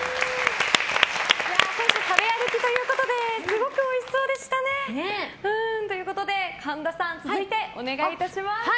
食べ歩きということですごくおいしそうでしたね。ということで神田さん続いてお願いします。